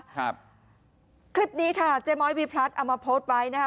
ครับคลิปนี้ค่ะเจม้อยวิพลัฒน์เอามาโพสต์ไปนะคะ